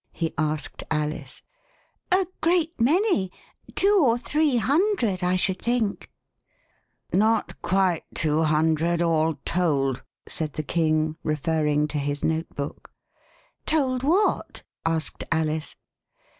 he asked Alice. "A great many — two or three hundred, I should think." 24 Alice and the Liberal Party Not quite two hundred, all told/' said the King, referring to his note book. Told what?" asked Alice.